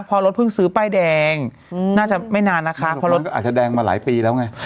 พอรถเพิ่งซื้อป้ายแดงอืมน่าจะไม่นานนะคะอาจจะแดงมาหลายปีแล้วไง